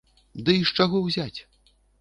Ды й з чаго ўзяць?